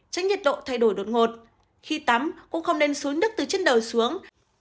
tránh nhiệt độ thay đổi đột ngột khi tắm cũng không nên xối nước từ chân đầu xuống